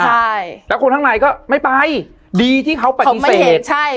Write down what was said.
ใช่แล้วคนข้างในก็ไม่ไปดีที่เขาปฏิเสธเขาไม่เห็นใช่